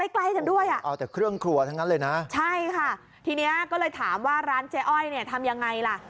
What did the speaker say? ใกล้กันด้วยอ่ะเอาแต่เครื่องครัวทั้งนั้นเลยนะใช่ค่ะทีนี้ก็เลยถามว่าร้านเจ๊อ้อยเนี่ยทำยังไงล่ะ